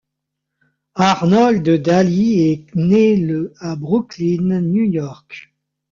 Arnold Daly est né le à Brooklyn, New York.